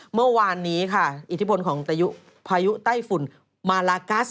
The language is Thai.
เมื่อวานนี้ค่ะอิทธิพลของพายุไต้ฝุ่นมาลากัส